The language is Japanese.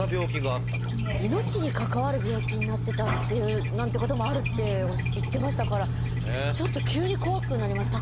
命に関わる病気になってたなんてこともあるって言ってましたからちょっと急に怖くなりました。